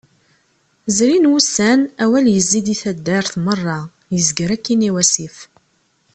Zrin wussan awal yezzi-d i taddar, merra. Yezger akin i wasif.